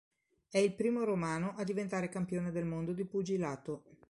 È il primo romano a diventare campione del mondo di pugilato.